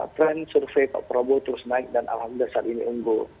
tren survei pak prabowo terus naik dan alhamdulillah saat ini unggul